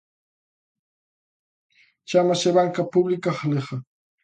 Chámase Banca Pública Galega.